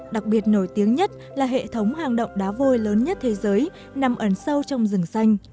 đặc biệt nổi tiếng nhất là hệ thống hang động đá vôi lớn nhất thế giới nằm ẩn sâu trong rừng xanh